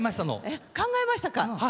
考えました。